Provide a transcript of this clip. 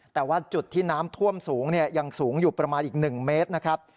แต่ว่าจุดที่น้ำท่วมสูงยังสูงอยู่ประมาณอีก๑เมตรนะครับ